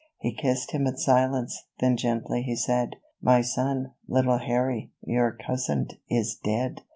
He kissed him in silence, then gently he said, " My son, little Harry, your cousin, is dead